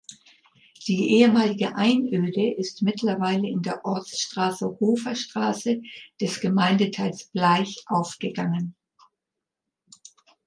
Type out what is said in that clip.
Die ehemalige Einöde ist mittlerweile in der Ortsstraße Hofer Straße des Gemeindeteils Blaich aufgegangen.